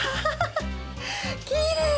きれい！